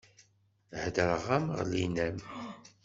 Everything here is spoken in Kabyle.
Heddreɣ-am ɣellin-am!